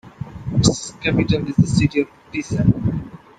Its capital is the city of Pisa.